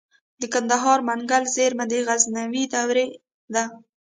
د کندهار منگل زیرمه د غزنوي دورې ده